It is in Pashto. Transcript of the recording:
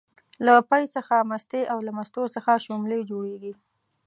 له پی څخه مستې او له مستو څخه شلومبې جوړيږي